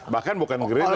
bahkan bukan gerindra kali